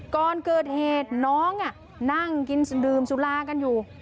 ก่อนเกิดเหตุน้องนั่งกินดื่มสุรากันอยู่